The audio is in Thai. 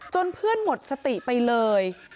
เพื่อนหมดสติไปเลย